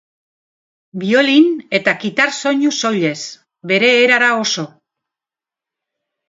Biolin eta kitar soinu soilez, bere erara oso.